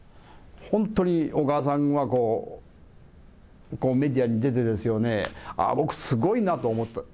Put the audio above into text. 本当に小川さんはメディアに出てですよね、あー、僕すごいなと思った。